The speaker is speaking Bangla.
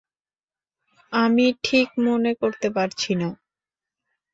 আমি ঠিক মনে করতে পারছি না।